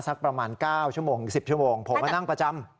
สักประมาณ๙ชั่วโมงถึง๑๐ชั่วโมงผมมานั่งประจำ